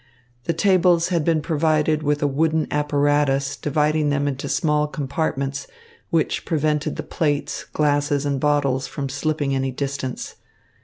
The tables had been provided with a wooden apparatus dividing them into small compartments, which prevented the plates, glasses and bottles from slipping any distance.